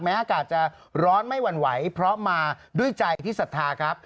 แม้อากาศจะร้อนไม่หวั่นไหวเพราะมาด้วยใจทฤษภาครับ